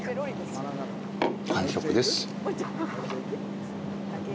完食です。